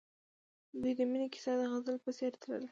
د دوی د مینې کیسه د غزل په څېر تلله.